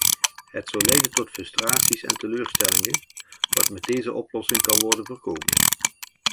Het zou leiden tot frustraties en teleurstellingen, wat met deze oplossing kan worden voorkomen.